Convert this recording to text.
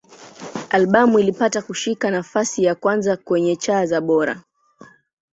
Albamu ilipata kushika nafasi ya kwanza kwenye cha za Bora.